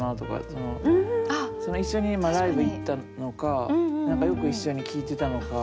その一緒にライブ行ったのか何かよく一緒に聴いてたのか。